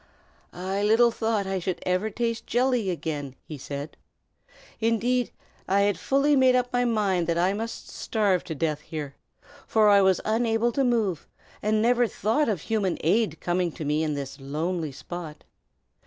"I little thought I should ever taste jelly again," he said. "Indeed, I had fully made up my mind that I must starve to death here; for I was unable to move, and never thought of human aid coming to me in this lonely spot.